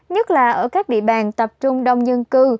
nhất là ở các địa bàn tập trung đông dân cư